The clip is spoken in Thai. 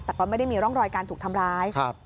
แต่ก็ไม่ได้มีร่องรอยการถูกทำร้าย